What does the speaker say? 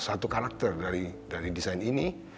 satu karakter dari desain ini